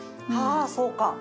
ああそうか。